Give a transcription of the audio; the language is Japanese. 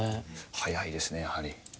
速いですねやはり。